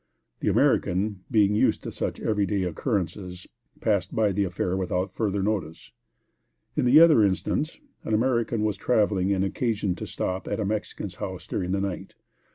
The American, being used to such every day occurrences, passed by the affair without further notice. In the other instance an American was traveling and had occasion to stop at a Mexican's house during the night.